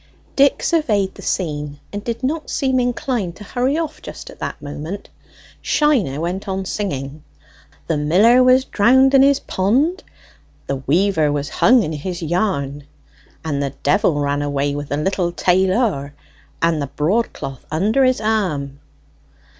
Dick surveyed the scene, and did not seem inclined to hurry off just at that moment. Shiner went on singing "'The miller was drown'd in his pond, The weaver was hung in his yarn, And the d ran away with the little tail or, With the broadcloth under his arm.'"